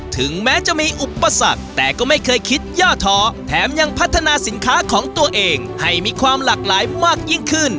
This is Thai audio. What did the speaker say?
ถึงแม้จะมีอุปสรรคแต่ก็ไม่เคยคิดย่อท้อแถมยังพัฒนาสินค้าของตัวเองให้มีความหลากหลายมากยิ่งขึ้น